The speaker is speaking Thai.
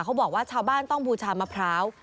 เขาบอกว่าชาวบ้านต้องบูชามะพร้าว